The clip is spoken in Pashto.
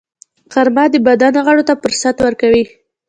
غرمه د بدن غړو ته فرصت ورکوي